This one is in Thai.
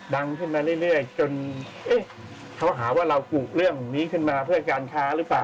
ดังขึ้นมาเรื่อยจนเขาหาว่าเรากุเรื่องนี้ขึ้นมาเพื่อการค้าหรือเปล่า